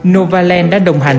nova land đã đồng hành